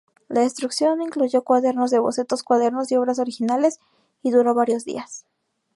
La destrucción incluyó "cuadernos de bocetos, cuadernos y obras originales, y duró varios días".